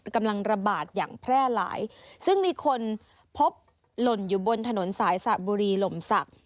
กำลังระบาดอย่างแพร่หลายซึ่งมีคนพบหล่นอยู่บนถนนสายสระบุรีหล่มศักดิ์